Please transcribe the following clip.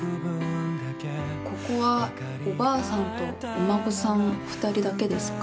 ここはおばあさんとお孫さん２人だけですか？